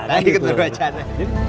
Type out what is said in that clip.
tidak ikut berwacana